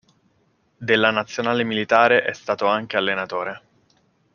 Della Nazionale militare è stato anche allenatore.